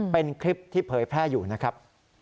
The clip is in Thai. เป็นคลิปที่เผยแพร่อยู่นะครับ